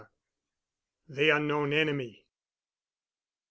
THE UNKNOWN ENEMY.